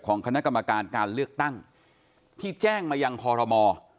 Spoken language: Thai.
คณะกรรมการการเลือกตั้งที่แจ้งมายังคอรมอ